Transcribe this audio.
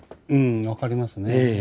うん分かりますね。